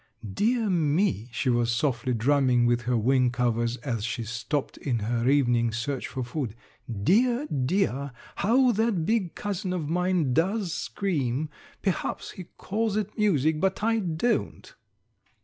"Dear me," she was softly drumming with her wing covers as she stopped in her evening search for food. "Dear, dear! how that big cousin of mine does scream! Perhaps he calls it music, but I don't."